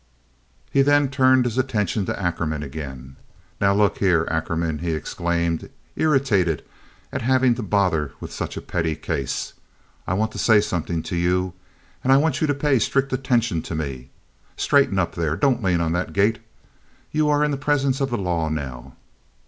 He then turned his attention to Ackerman again. "Now, look here, Ackerman," he exclaimed, irritated at having to bother with such a pretty case, "I want to say something to you, and I want you to pay strict attention to me. Straighten up, there! Don't lean on that gate! You are in the presence of the law now."